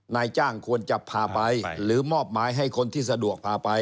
นายจ้างควรจะพาไปหรือมอบหมายให้คนที่สะดวกพาไป